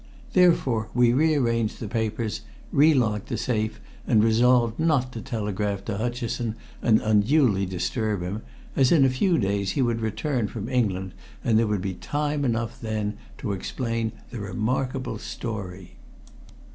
Therefore, we re arranged the papers, re locked the safe and resolved not to telegraph to Hutcheson and unduly disturb him, as in a few days he would return from England, and there would be time enough then to explain the remarkable story.